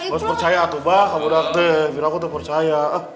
harus percaya aku abah kamu udah ngerti aku udah percaya